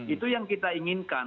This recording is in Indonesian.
itu yang kita inginkan